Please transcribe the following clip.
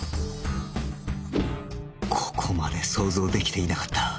ここまで想像できていなかった